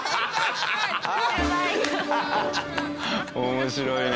面白いね。